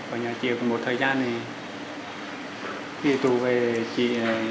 ở nhà chị còn một thời gian thì tù về chị